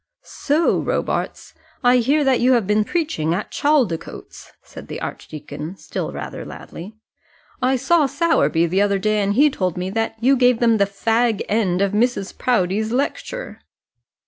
"So, Robarts, I hear that you have been preaching at Chaldicotes," said the archdeacon, still rather loudly. "I saw Sowerby the other day, and he told me that you gave them the fag end of Mrs. Proudie's lecture."